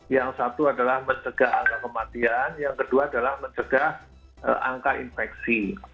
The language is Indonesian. yang satu adalah mencegah angka kematian yang kedua adalah mencegah angka infeksi